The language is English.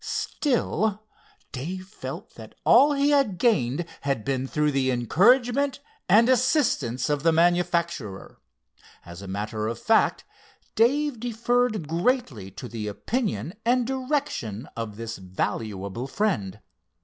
Still, Dave felt that all he had gained had been through the encouragement and assistance of the manufacturer. As a matter of fact, Dave deferred greatly to the opinion and direction of this valuable friend.